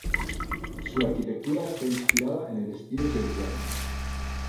Su arquitectura está inspirada en el estilo georgiano.